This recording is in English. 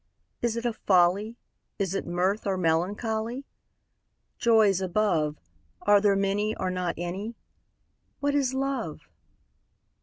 Is it a folly, Is it mirth, or melancholy? Joys above, Are there many, or not any? What is Love?